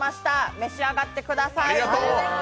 召し上がってください。